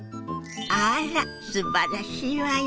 あらすばらしいわよね。